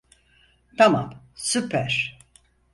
Tamam, süper.